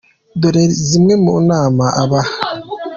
Dore zimwe mu nama abaha :.